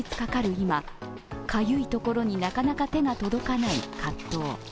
今かゆいところになかなか手が届かない葛藤。